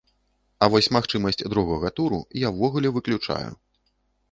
А вось магчымасць другога туру я ўвогуле выключаю.